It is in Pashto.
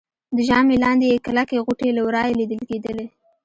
د ژامې لاندې يې کلکې غوټې له ورایه لیدل کېدلې